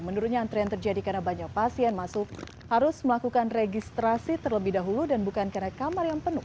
menurutnya antrean terjadi karena banyak pasien masuk harus melakukan registrasi terlebih dahulu dan bukan karena kamar yang penuh